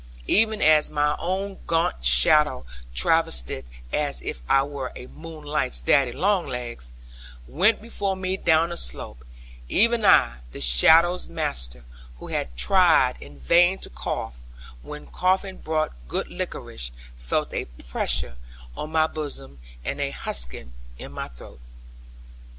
Even as my own gaunt shadow (travestied as if I were the moonlight's daddy longlegs), went before me down the slope; even I, the shadow's master, who had tried in vain to cough, when coughing brought good liquorice, felt a pressure on my bosom, and a husking in my throat.